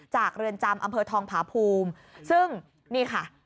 เรือนจำอำเภอทองผาภูมิซึ่งนี่ค่ะ